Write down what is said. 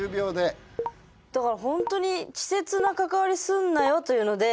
だからほんとに稚拙な関わりすんなよというので。